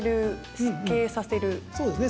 そうですね。